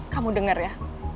kamu denger ya